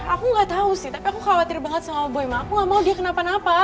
aku gak tau sih tapi aku khawatir banget sama boyma aku gak mau dia kenapa napa